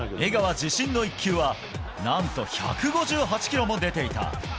自信の１球は何と１５８キロも出ていた。